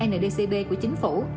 ndcb của chính phủ